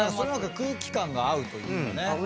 空気感が合うというかね。